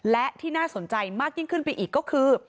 และที่น่าสนใจมากยิ่งขึ้นไปอีกก็คือ